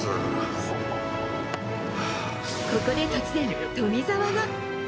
ここで突然、富澤が。